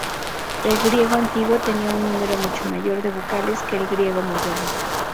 El griego antiguo tenía un número mucho mayor de vocales que el griego moderno.